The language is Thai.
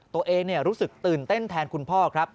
ตัวเองรู้สึกตื่นเต้นแทนคุณพ่อครับ